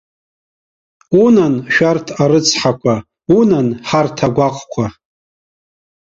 Унан, шәарҭ арыцҳақәа, унан, ҳарҭ агәаҟқәа.